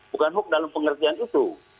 bukan hoax dalam pengertian itu